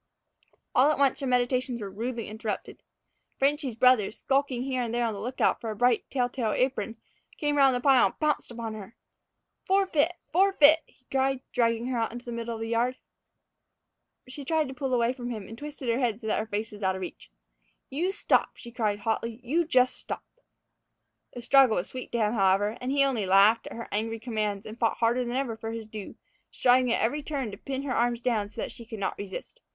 All at once her meditations were rudely interrupted. "Frenchy's" brother, skulking here and there on the lookout for a bright, telltale apron, came round the pile and pounced upon her. "Forfeet! forfeet!" he cried, dragging her out into the middle of the yard. She tried to pull away from him, and twisted her head so that her face was out of reach. "You stop," she cried hotly; "you jus' stop!" The struggle was sweet to him, however, and he only laughed at her angry commands and fought harder than ever for his due, striving at every turn to pin her arms down so that she could not resist.